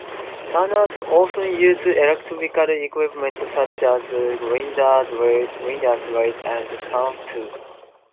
Turners often use electrical equipment such as grinders, drills, and power tools.